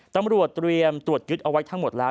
ตำรวจเตรียมตรวจยึดเอาไว้ทั้งหมดแล้ว